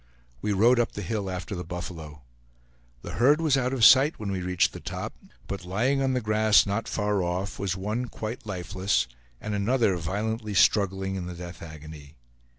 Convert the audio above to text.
We rode up the hill after the buffalo. The herd was out of sight when we reached the top, but lying on the grass not far off, was one quite lifeless, and another violently struggling in the death agony.